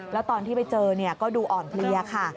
แล้วตอนที่ไปเจอก็ดูอ่อนเพลียค่ะ